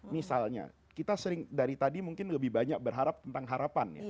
misalnya kita sering dari tadi mungkin lebih banyak berharap tentang harapan ya